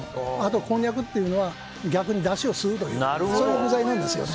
こんにゃくっていうのは逆に、だしを吸うという具材なんですね。